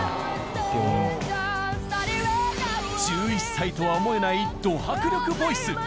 １１歳とは思えないド迫力ボイス。